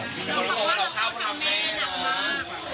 เพราะว่าเราเล่าทำเน่น